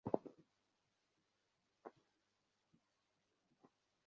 মাদকের প্রভাবে আমাদের তরুণেরা ধীরে ধীরে তাঁদের অমিত সম্ভাবনাকে ধ্বংস করে ফেলছেন।